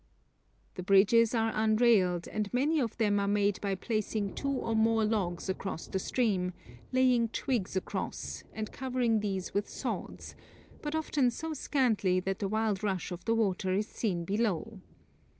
The bridges are unrailed, and many of them are made by placing two or more logs across the stream, laying twigs across, and covering these with sods, but often so scantily that the wild rush of the water is seen below.